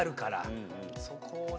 そこをね。